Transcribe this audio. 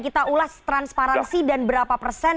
kita ulas transparansi dan berapa persen